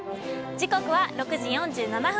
時刻は６時４７分。